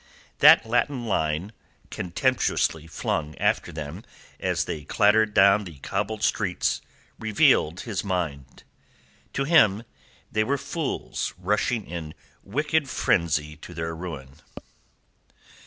That Latin line, contemptuously flung after them as they clattered down the cobbled street, reveals his mind. To him they were fools rushing in wicked frenzy upon their ruin.